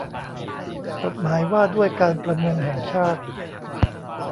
กฎหมายว่าด้วยการประมงแห่งชาติ